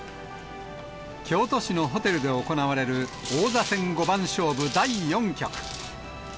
京都市のホテルで行われる、王座戦五番勝負第４局。